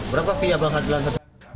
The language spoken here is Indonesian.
berapa via bang adlan